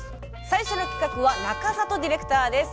最初の企画は中里ディレクターです。